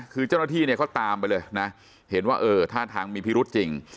คือเจ้าหน้าที่เนี่ยเขาตามไปเลยนะเห็นว่าเออท่าทางมีพิรุษจริง